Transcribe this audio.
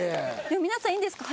皆さんいいんですか？